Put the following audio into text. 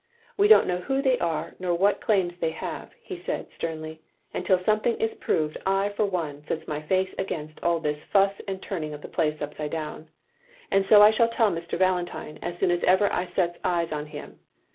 "We don't know who they are, nor what claims they have," he said, sternly, "and till something is proved, I for one, sets my face against all this fuss and turning of the place upside down; OP GROSVENOR SQUARE 343 and so I shall tell Mr. Valentine, as soon as ever I sets eyes on him.